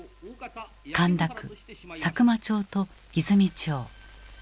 神田区佐久間町と和泉町。